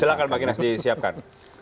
silahkan pak ginas disiapkan